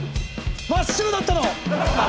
真っ白だったの！